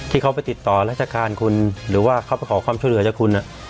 ที่เขาไปติดต่อราชการคุณหรือว่าเขาไปขอความช่วยเหลือจากคุณ